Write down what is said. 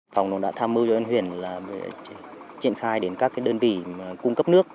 phòng đồng đã tham mưu cho huyện là triển khai đến các đơn vị cung cấp nước